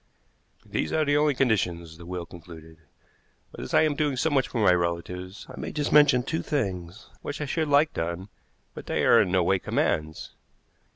"These are the only conditions," the will concluded; "but, as I am doing so much for my relatives, I may just mention two things which I should like done, but they are in no way commands.